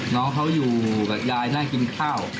น้องเขาอยู่กับยายนั่งกินข้าว